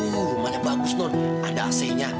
oh rumahnya bagus non ada ac nya